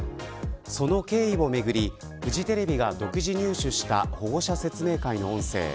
その経緯をめぐりフジテレビが独自入手した保護者説明会の音声。